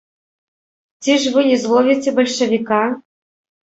Ці ж вы не зловіце бальшавіка?